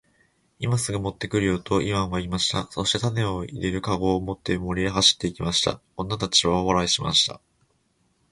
「今すぐ持って来るよ。」とイワンは言いました。そして種を入れる籠を持って森へ走って行きました。女たちは大笑いしました。